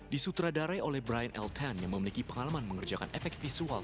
disutradarai oleh brian el ten yang memiliki pengalaman mengerjakan efek visual